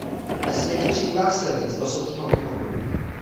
Ve světě přibývá silnic i osobních automobilů.